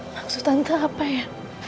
maksud tante apa ya